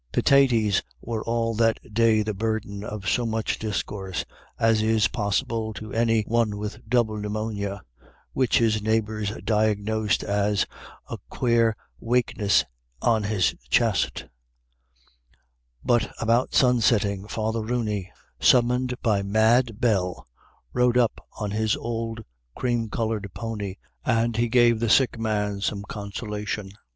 Pitaties were all that day the burden of so much discourse as is possible to any one with double pneumonia, which his neighbours diagnosed as " a quare wakeness on his chest "; but about sunsetting Father Rooney, summoned *4 A WINDFALL. 15 by Mad Bell, rode up on his old cream coloured pony, and he gave the sick man some consolation.